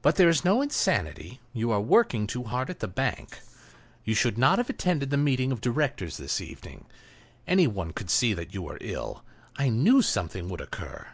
But there is no insanity; you are working too hard at the bank. You should not have attended the meeting of directors this evening; any one could see that you were ill; I knew something would occur."